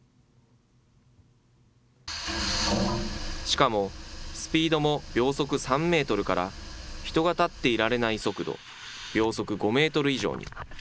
しかもスピードも秒速３メートルから、人が立っていられない速度、秒速５メートル以上に。